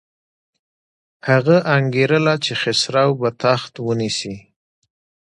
هغه انګېرله چې خسرو به تخت ونیسي.